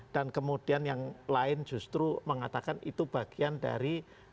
dan kemudian yang lain justru mengatakan itu bagian dari